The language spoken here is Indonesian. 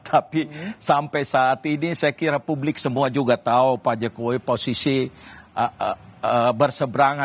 tapi sampai saat ini saya kira publik semua juga tahu pak jokowi posisi berseberangan